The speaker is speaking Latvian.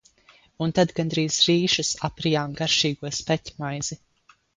Un tad gandrīz rīšus aprijām garšīgo speķmaizi.